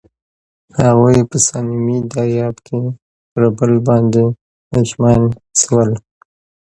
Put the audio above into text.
هغوی په صمیمي دریاب کې پر بل باندې ژمن شول.